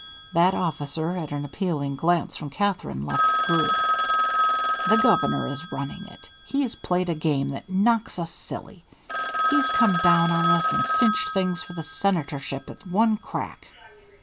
That officer, at an appealing glance from Katherine, left the group. "The Governor is running it. He's played a game that knocks us silly. He's come down on us and cinched things for the senatorship at one crack."